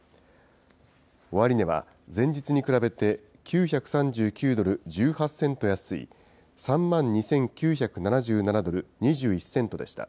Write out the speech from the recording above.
終値は前日に比べて、９３９ドル１８セント安い、３万２９７７ドル２１セントでした。